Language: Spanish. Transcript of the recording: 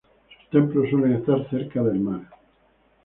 Sus templos suelen estar cerca del mar.